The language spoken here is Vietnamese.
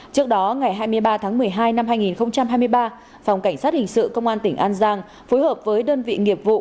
trước đó ngày hai mươi ba tháng một mươi hai năm hai nghìn hai mươi ba phòng cảnh sát hình sự công an tỉnh an giang phối hợp với đơn vị nghiệp vụ